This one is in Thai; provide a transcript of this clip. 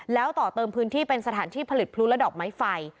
แล้วต่อเติมพื้นที่เป็นสถานที่ผลิตพลุและดอกไม้ไฟ